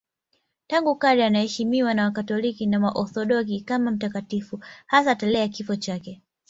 Tangu kale anaheshimiwa na Wakatoliki na Waorthodoksi kama mtakatifu, hasa tarehe ya kifo chake.